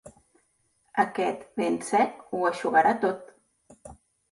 Aquest vent sec ho eixugarà tot!